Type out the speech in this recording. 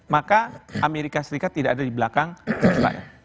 maka amerika serikat tidak ada di belakang israel